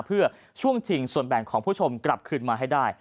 เพื่อช่วงชิงส่วนแบ่งของผู้ชมกลับคืนมาให้ได้